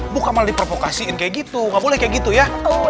bukan malah diprovokasiin kayak gitu gak boleh kayak gitu ya